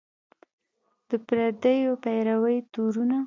د پردیو پیروۍ تورونه